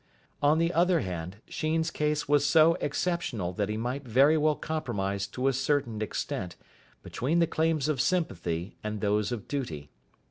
On the other hand, Sheen's case was so exceptional that he might very well compromise to a certain extent between the claims of sympathy and those of duty.